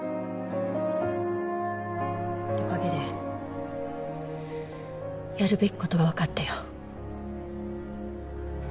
おかげでやるべき事がわかったよ。